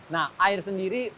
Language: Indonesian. nah air sendiri